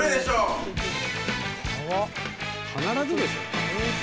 川必ずでしょ？